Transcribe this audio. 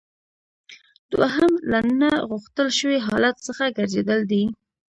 دوهم له نه غوښتل شوي حالت څخه ګرځیدل دي.